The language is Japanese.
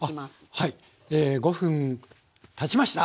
はい５分たちました！